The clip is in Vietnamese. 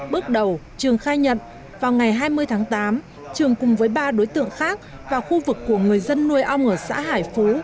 bước đầu trường khai nhận vào ngày hai mươi tháng tám trường cùng với ba đối tượng khác vào khu vực của người dân nuôi ong ở xã hải phú